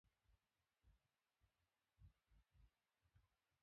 Wanadamu wanaweza pia kupata ugonjwa huu kwa kugusana na damu